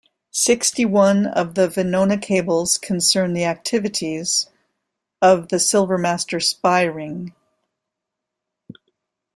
Sixty-one of the Venona cables concern the activities of the Silvermaster spy ring.